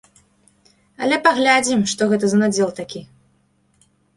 Але паглядзім, што гэта за надзел такі.